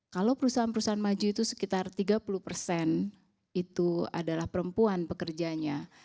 kalau perusahaan perusahaan maju itu sekitar tiga puluh persen itu adalah perempuan pekerjanya